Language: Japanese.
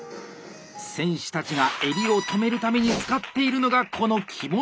選手たちが襟を留めるために使っているのがこの「着物クリップ」。